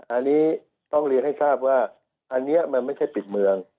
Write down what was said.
อันนี้ต้องเรียนให้ทราบว่าอันนี้มันไม่ใช่ปิดเมือง